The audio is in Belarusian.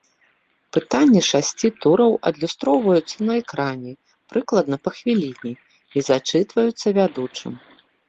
Пытанні шасці тураў адлюстроўваюцца на экране прыкладна па хвіліне і зачытваюцца вядучым.